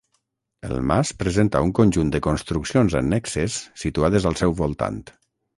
El mas presenta un conjunt de construccions annexes situades al seu voltant.